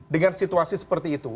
dengan situasi seperti itu